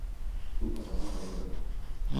Stuha řádu byla zelená.